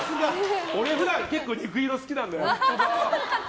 俺、普段結構、肉色好きなんだよ。